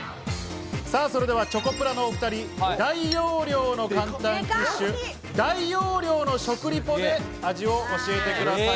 それではチョコプラのお２人、大容量の簡単キッシュ、大容量の食リポで味を教えてください。